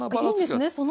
いいんですね